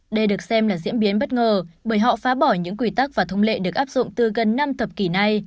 đây được xem là diễn biến bất ngờ bởi họ phá bỏ những quy tắc và thông lệ được áp dụng từ gần năm thập kỷ này